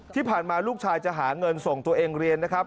ที่ผ่านมาลูกชายจะหาเงินส่งตัวเองเรียนนะครับ